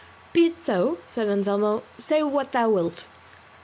"Be it so," said Anselmo, "say what thou wilt."